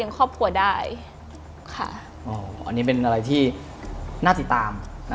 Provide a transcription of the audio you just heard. อุ้นี้เป็นอะไรที่น่าติตาม